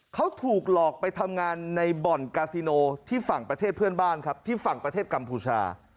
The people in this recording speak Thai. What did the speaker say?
เขาถูกหลอกไปทำงานในบ่อนกาซิโนที่ฝั่งประเทศเพื่อนบ้านครับที่ฝั่งประเทศกัมพูชา